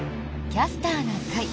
「キャスターな会」。